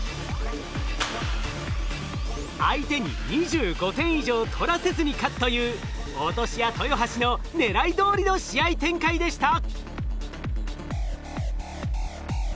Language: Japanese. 相手に２５点以上取らせずに勝つという落とし屋豊橋の狙いどおりの試合展開でした。